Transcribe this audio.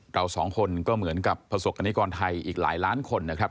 เราสองคนก็เหมือนกับประสบกรณิกรไทยอีกหลายล้านคนนะครับ